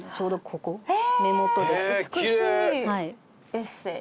エッセー